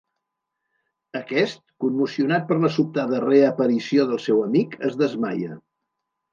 Aquest, commocionat per la sobtada reaparició del seu amic es desmaia.